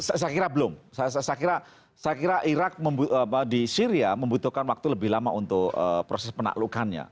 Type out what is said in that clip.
saya kira belum saya kira irak di syria membutuhkan waktu lebih lama untuk proses penaklukannya